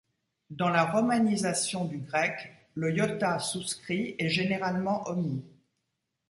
Dans la romanisation du grec, le iota souscrit est généralement omis.